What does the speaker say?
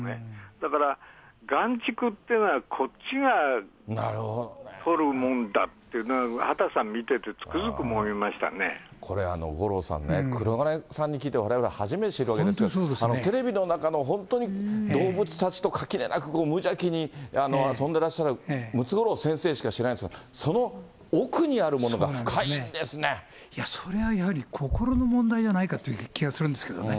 だから、がんちくってのは、こっちがとるものだって、畑さん見てて、これ、五郎さんね、黒鉄さんに聞いて、われわれ、初めて知るわけですが、テレビの中の本当に動物たちと垣根なく、無邪気に遊んでらっしゃるムツゴロウ先生しか知らないですけど、いや、それはやはり心の問題じゃないかという気がするんですけどね。